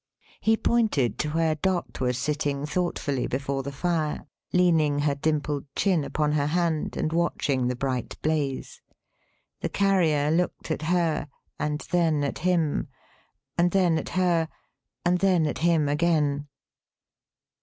He pointed to where Dot was sitting, thoughtfully, before the fire; leaning her dimpled chin upon her hand, and watching the bright blaze. The Carrier looked at her, and then at him, and then at her, and then at him again.